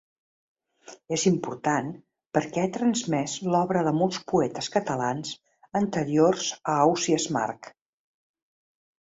És important perquè ha transmès l'obra de molts poetes catalans anteriors a Ausiàs March.